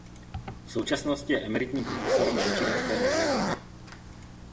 V současnosti je emeritním profesorem na Michiganské univerzitě.